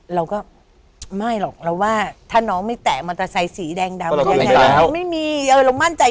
เราก็ไม่หรอกเราว่าถ้าน้องไม่แต่มาไซสีแดงดำ